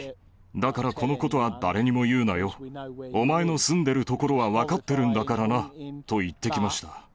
だからこのことは誰にも言うなよ、お前の住んでる所は分かってるんだからなと言ってきました。